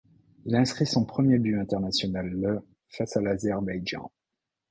Il inscrit son premier but international le face à l'Azerbaïdjan.